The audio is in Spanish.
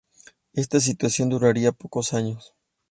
Esta situación duraría pocos años.